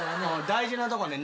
大事なとこね。